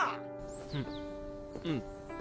うんうん。